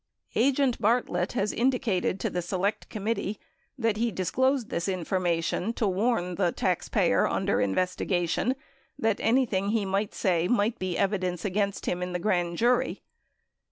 Agent Bartlett has indicated to the Select Committee that he disclosed this information to warn the taxpayer under investigation that anything he might say might be evidence against him in the grand jury.